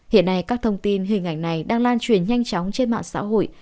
hiện nay các thông tin hình ảnh này đang lan truyền nhanh chóng trên mạng xã hội